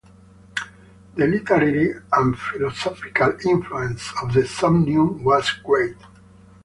The literary and philosophical influence of the "Somnium" was great.